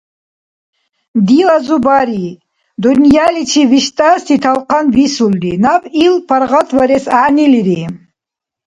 Дила зубари-дунъяличив виштӀаси талхъан висулри, наб ил паргъатварес гӀягӀнилири.